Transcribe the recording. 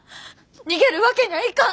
逃げるわけにゃあいかん！